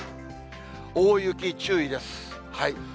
大雪注意です。